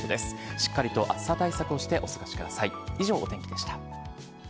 しっかりと暑さ対策をしてお過ごしください以上、お天気でした。